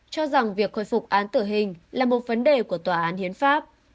cho rằng việc khôi phục án tử hình là một vấn đề của tòa án hiến pháp